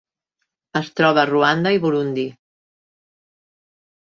Es troba a Ruanda i Burundi.